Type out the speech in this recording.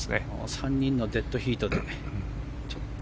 ３人のデッドヒートで。